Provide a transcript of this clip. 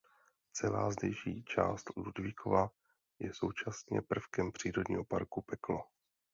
Celá zdejší část Ludvíkova je současně prvkem přírodního parku Peklo.